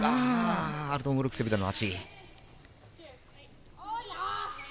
アルトゥンオルク・セブダの足。